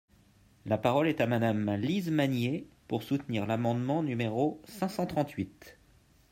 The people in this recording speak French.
La parole est à Madame Lise Magnier, pour soutenir l’amendement numéro cinq cent trente-huit.